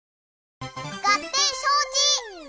がってんしょうち！